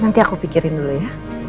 nanti aku pikirin dulu ya